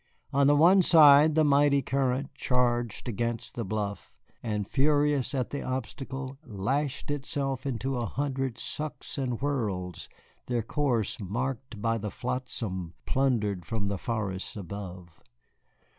On the one side the mighty current charged against the bluff and, furious at the obstacle, lashed itself into a hundred sucks and whirls, their course marked by the flotsam plundered from the forests above.